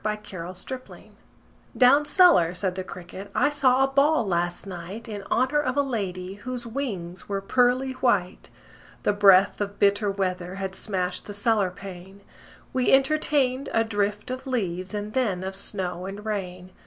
The Potato's Dance "Down cellar," said the cricket, "I saw a ball last night In honor of a lady Whose wings were pearly white. The breath of bitter weather Had smashed the cellar pane: We entertained a drift of leaves And then of snow and rain.